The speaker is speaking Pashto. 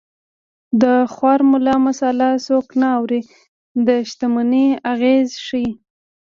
د خوار ملا مساله څوک نه اوري د شتمنۍ اغېز ښيي